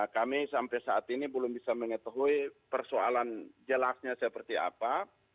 kami sampai saat ini belum bisa mengetahui persoalan jelasnya seperti apa